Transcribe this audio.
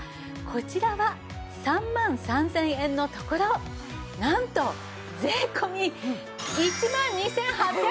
こちらは３万３０００円のところなんと税込１万２８００円です。